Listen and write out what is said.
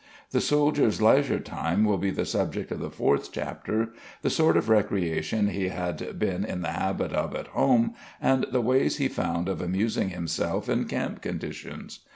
The soldier's leisure time will be the subject of the fourth chapter, the sort of recreation he had been in the habit of at home and the ways he found of amusing himself in camp conditions.